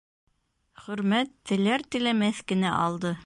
Хөрмәт теләр-теләмәҫ кенә алды.